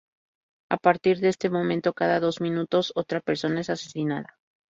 A partir de ese momento, cada dos minutos, otra persona es asesinada.